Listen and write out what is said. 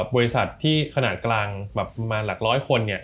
บริษัทที่ขนาดกลางมาหลักร้อยคนเนี่ย